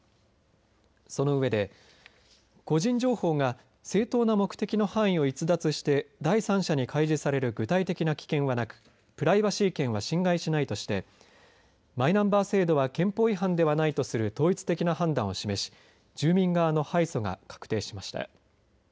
その上で個人情報が正当な目的の範囲を逸脱して第三者に開示される具体的な危険はなくプライバシー権は侵害しないとしてマイナンバー制度は憲法違反ではないとする統一的な判断を示し住民側の敗訴が確定しました。